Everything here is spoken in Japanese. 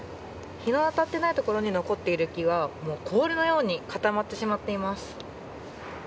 日が当たっていないところに残っている雪は氷のように固まってしまっています。